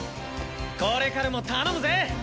これからも頼むぜ！